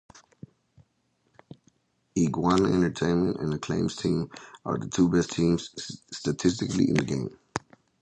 Iguana Entertainment and Acclaim's teams are the two best teams statistically in the game.